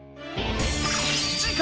次回！